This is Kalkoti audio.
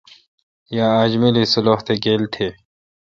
یا اج ملی سلیخ گیل تھے۔